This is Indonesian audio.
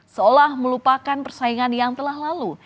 seolah melupakan persaingan yang telah lalu